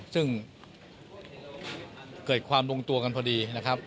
ซึ่งเกิดความลงตัวกันพอดี